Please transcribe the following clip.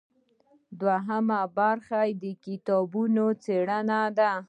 دوهمه برخه یې کتابتوني څیړنه ده.